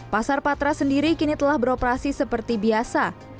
pasar patra sendiri kini telah beroperasi seperti biasa